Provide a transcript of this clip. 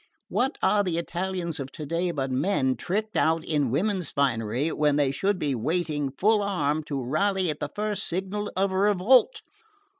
What are the Italians of today but men tricked out in women's finery, when they should be waiting full armed to rally at the first signal of revolt?